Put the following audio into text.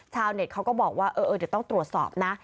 เน็ตเขาก็บอกว่าเออเดี๋ยวต้องตรวจสอบนะ